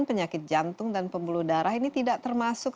penyakit jantung dan pembuluh darah ini tidak termasuk